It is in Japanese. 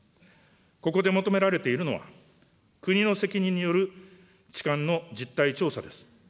ここで求められているのは、国の責任による痴漢の実態調査です。